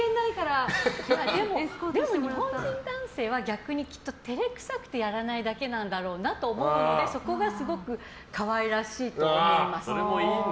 日本人男性は逆に照れくさくてやらないだけなんだろうなと思ってそこがすごく可愛らしいと思います。